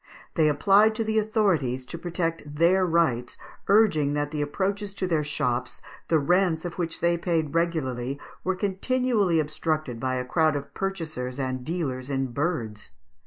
They applied to the authorities to protect their rights, urging that the approaches to their shops, the rents of which they paid regularly, were continually obstructed by a crowd of purchasers and dealers in birds.